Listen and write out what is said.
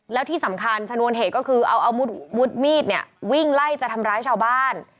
แล้วที่สำคัญชนวนเหตุก็คือเอาอาวุธมีดเนี่ยวิ่งไล่จะทำร้ายชาวบ้าน